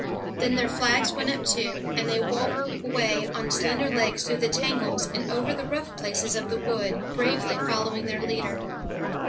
Then their flags went up too, and they wabbled away on slender legs through the tangles and over the rough places of the wood, bravely following their leader.